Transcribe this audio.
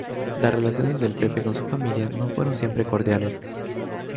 Las relaciones del Pepe con su familia no fueron siempre cordiales.